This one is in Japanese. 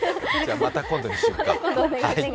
また今度にしよっか。